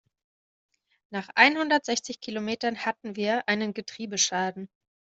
Nach einhundertsechzig Kilometern hatten wir einen Getriebeschaden.